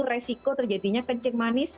resiko terjadinya kencing manis